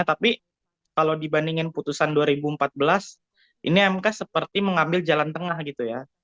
tapi kalau dibandingin putusan dua ribu empat belas ini mk seperti mengambil jalan tengah gitu ya